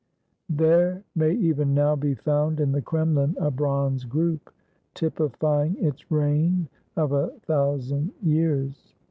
There may even now be found in the Kremlin a bronze group, typifying its reign of a thousand years.